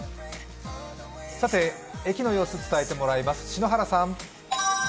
駅の様子伝えてもらいます。